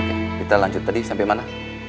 oke kita lanjut tadi sampai mana